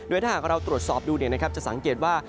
ถ้าหากเราตรวจสอบดูจะสังเกตว่า